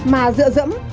mà dựa dẫm